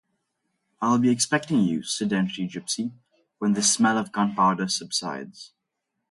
I'll be expecting you, sedentary gypsy, when the smell of gunpowder subsides.